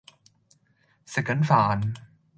食緊飯